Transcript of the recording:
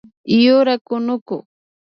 Yurak kunuku